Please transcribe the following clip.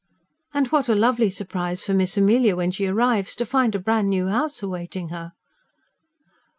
"And what a lovely surprise for Miss Amelia when she arrives, to find a bran' new house awaiting her."